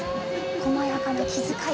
こまやかな気遣い